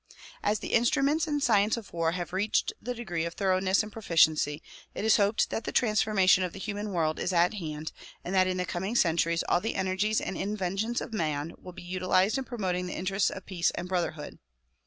As the instruments and science of war have reached the degree of thoroughness and proficiency, it is hoped that the transformation of the human world is at hand and that in the coming centuries all the energies and inventions of man will be utilized in promoting the interests of peace and brotherhood.